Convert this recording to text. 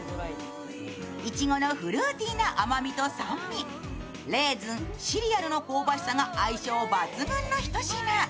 いちごのフルーティーな甘みと酸味レーズン、シリアルの香ばしさが愛称抜群の一品。